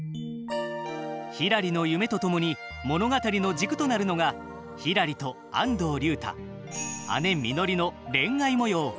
ひらりの夢とともに物語の軸となるのがひらりと安藤竜太、姉みのりの恋愛模様。